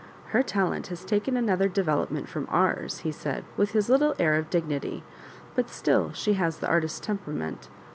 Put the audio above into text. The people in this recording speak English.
"Her talent has taken another development from ourx," he said, with his little air of dignity, *' but still she has the artist temperament.